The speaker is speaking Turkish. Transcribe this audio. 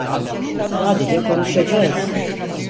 Sadece konuşacağız.